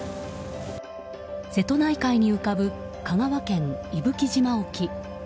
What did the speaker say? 瀬戸内海に浮かぶ香川県伊吹島沖。